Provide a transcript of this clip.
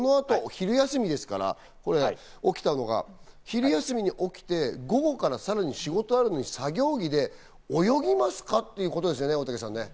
しかもこの後、昼休みですから、昼休みに起きて午後からさらに仕事があるのに作業着で泳ぎますか？っていうことですね、大竹さん。